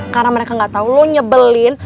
karena mereka gak tau lo nyebelin